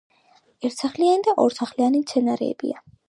ერთსახლიანი ან ორსახლიანი მცენარეებია.